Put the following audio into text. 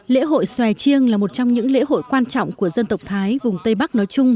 lễ hội xòe chiêng là một trong những lễ hội quan trọng của dân tộc thái vùng tây bắc nói chung